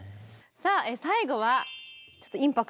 さあ最後はちょっとインパクトありますよ。